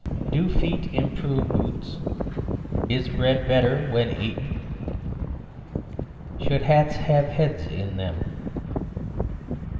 "Do Feet Improve Boots?" "Is Bread Better when Eaten?" "Should Hats have Heads in them?"